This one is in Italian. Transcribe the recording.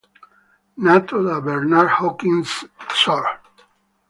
Nato da Bernard Hopkins Sr.